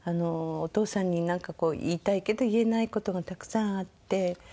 お父さんになんかこう言いたいけど言えない事がたくさんあって。